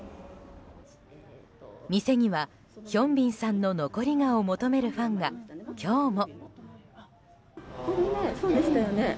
店にはヒョンビンさんの残り香を求めるファンが今日も。